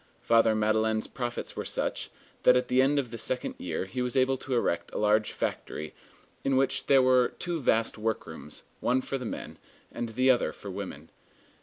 Father Madeleine's profits were such, that at the end of the second year he was able to erect a large factory, in which there were two vast workrooms, one for the men, and the other for women.